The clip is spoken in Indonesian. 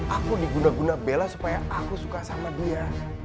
aku diguna guna bela supaya aku suka sama dia